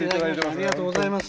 ありがとうございます。